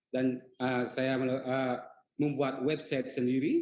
dan saya membuat website sendiri